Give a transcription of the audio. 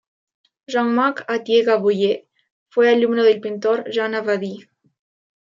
Jean-Marc Ardiet-Gaboyer fue alumno del pintor Jean Abadie.